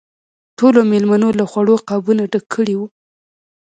ټولو مېلمنو له خوړو قابونه ډک کړي وو.